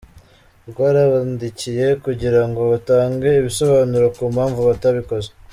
Twarabandikiye kugira ngo batange ibisobanuro ku mpamvu batabikoze.